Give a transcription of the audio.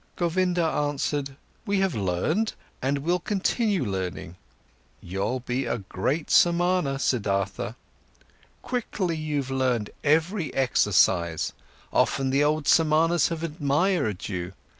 Govinda answered: "We have learned, and we'll continue learning. You'll be a great Samana, Siddhartha. Quickly, you've learned every exercise, often the old Samanas have admired you.